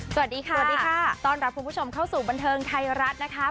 สวัสดีค่ะสวัสดีค่ะต้อนรับคุณผู้ชมเข้าสู่บันเทิงไทยรัฐนะคะ